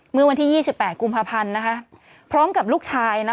เมื่อวันที่ยี่สิบแปดกุมภพันธ์นะคะพร้อมกับลูกชายนะ